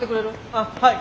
あっはい。